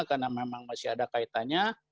karena memang masih ada kaitannya